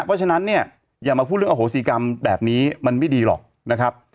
เพราะฉะนั้นเนี่ยอย่ามาพูดเรื่องอโหสิกรรมแบบนี้มันไม่ดีหรอกนะครับ